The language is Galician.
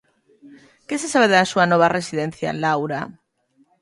Que se sabe da súa nova residencia, Laura?